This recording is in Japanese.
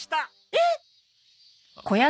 えっ？